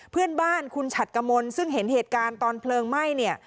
เพื่อนบ้านคุณฉัดกมลซึ่งเห็นเหตุการณ์ตอนเพลิงไหม้เนี่ย